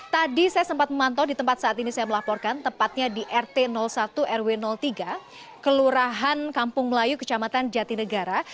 tadi saya sempat memantau di tempat saat ini saya melaporkan tepatnya di rt satu rw tiga kelurahan kampung melayu kecamatan jatinegara